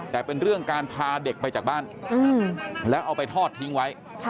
แต่เป็นเรื่องการพาเด็กไปจากบ้านแล้วเอาไปทอดทิ้งไว้